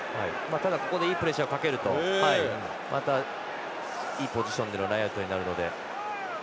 ただ、ここでいいプレッシャーかけるとまた、いいポジションでのラインアウトになるので。